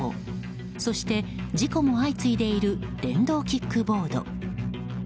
そして、事故も相次いでいる電動キックボード。